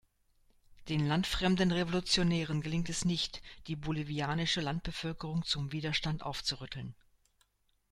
Den landfremden Revolutionären gelingt es nicht, die bolivianische Landbevölkerung zum Widerstand aufzurütteln.